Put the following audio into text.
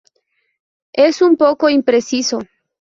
Es un poco impreciso".